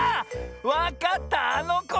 わかったあのこだ！